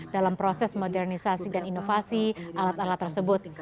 dalam proses modernisasi dan inovasi alat alat tersebut